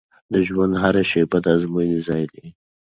د ژوند هره شیبه د ازموینې ځای دی.